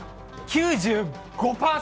９５％。